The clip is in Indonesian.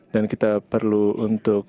dan kita perlu untuk